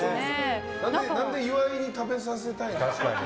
なんで岩井に食べさせたいの？